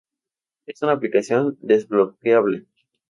Es una aplicación desbloqueable.